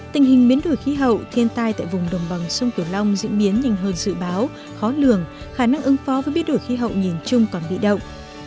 tình hình biến đổi khí hậu thiên tai tại vùng đồng bằng sông kiều long diễn biến nhanh hơn dự báo khó lường khả năng ứng phó với biến đổi khí hậu nhìn chung còn bị động